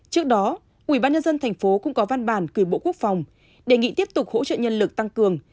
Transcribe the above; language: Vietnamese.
trước đó ủy ban nhân dân tp hcm cũng có văn bản gửi bộ quốc phòng đề nghị tiếp tục hỗ trợ nhân lực tăng cường